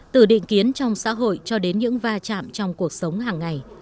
từ định kiến trong xã hội cho đến nội dung